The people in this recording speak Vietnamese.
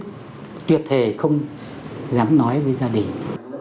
tôi tuyệt thề không dám nói với gia đình